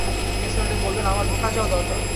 নিসার আলি বললেন, আমার ঢাকা যাওয়া দরকার।